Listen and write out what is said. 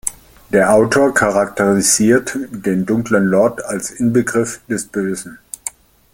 Der Autor charakterisiert den dunklen Lord als Inbegriff des Bösen.